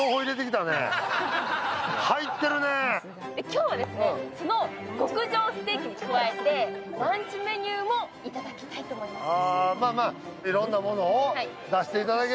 今日はその極上ステーキに加えてランチメニューも頂きたいと思います。